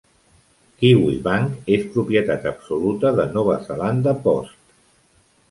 Kiwibank és propietat absoluta de Nova Zelanda Post.